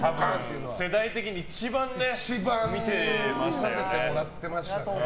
世代的に一番見てましたよね。